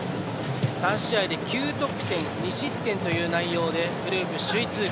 ３試合で９得点２失点という内容でグループ首位通過。